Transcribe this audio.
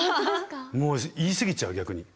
もう言い過ぎちゃう逆に。